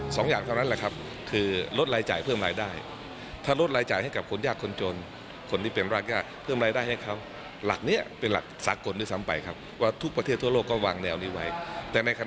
ส่วนใหญ่ใช้จ่ายไปกับเรื่องนี้